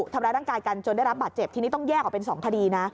ทำร้ายร่างกายกันจนได้รับบาดเจ็บทีนี้ต้องแยกออกเป็น๒คดีนะ